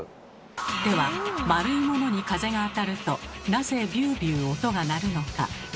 では丸いものに風が当たるとなぜ「ビュービュー」音がなるのか。